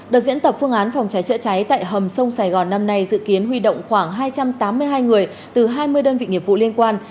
đợt diễn tập phương án phòng cháy chữa cháy tại hầm sông sài gòn năm nay dự kiến huy động khoảng hai trăm tám mươi hai người từ hai mươi đơn vị nghiệp vụ liên quan